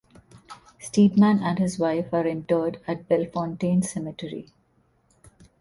Steedman and his wife are interred at Bellefontaine Cemetery.